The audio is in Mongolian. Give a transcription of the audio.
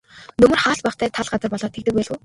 Нөмөр хаалт багатай тал газар болоод тэгдэг байлгүй.